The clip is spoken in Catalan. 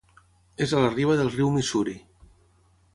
És a la riba del riu Missouri.